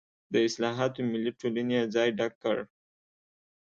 د اصلاحاتو ملي ټولنې یې ځای ډک کړ.